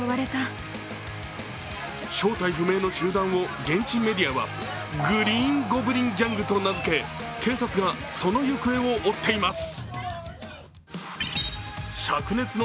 正体不明の集団を現地メディアはグリーン・ゴブリン・ギャングと名付け警察がその行方を追っています。